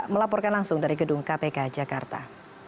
melaporkan langsung dari gedung kpk jakarta